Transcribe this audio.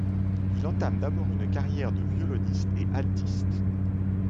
Il entame d'abord une carrière de violoniste et altiste.